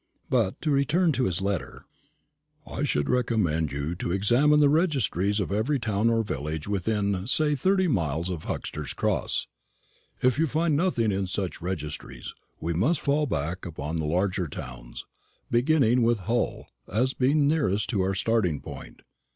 But to return to his letter: "I should recommend you to examine the registries of every town or village within, say, thirty miles of Huxter's Cross. If you find nothing in such registries, we must fall back upon the larger towns, beginning with Hull, as being nearest to our starting point.